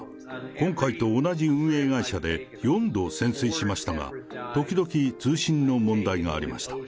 今回と同じ運営会社で４度潜水しましたが、時々、通信の問題がありました。